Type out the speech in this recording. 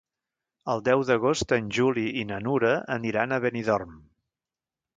El deu d'agost en Juli i na Nura aniran a Benidorm.